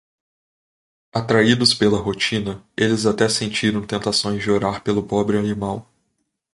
Atraídos pela rotina, eles até sentiram tentações de orar pelo pobre animal.